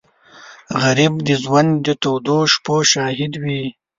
غریب د ژوند د تودو شپو شاهد وي